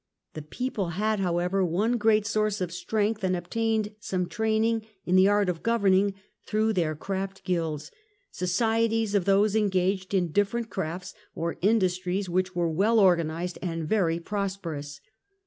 The people had, however, one great source of strength and obtained some train ing in the art of governing through their craft guilds, societies of those engaged in different crafts or in dustries, which were well organised and very prosper ous.